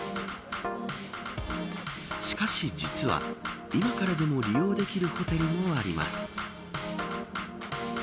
しかし実は今からでも利用できるホテルもあります。